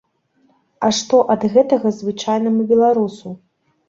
А што ад гэтага звычайнаму беларусу?